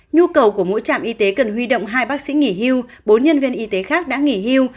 nhu cầu của mỗi trạm y tế cần huy động hai bác sĩ nghỉ hưu bốn nhân viên y tế khác đã nghỉ hưu